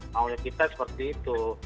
maunya kita seperti itu